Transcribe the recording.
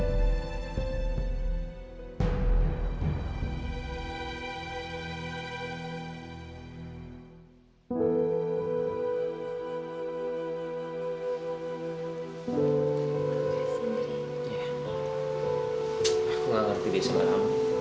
aku gak ngerti bisa ngerti